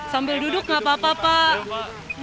sambil duduk gak apa apa pak